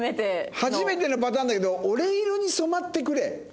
初めてのパターンだけど「俺色に染まってくれ」？